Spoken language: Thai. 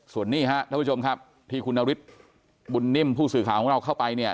ส่วนนี้ครับท่านผู้ชมครับที่คุณนฤทธิ์บุญนิ่มผู้สื่อข่าวของเราเข้าไปเนี่ย